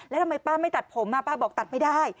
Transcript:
แล้วทำไมป้าไม่ตัดผมป้าบอกตัดไม่ได้